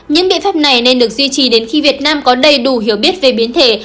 những biện pháp này nên được duy trì đến khi việt nam có đầy đủ hiểu biết về biến thể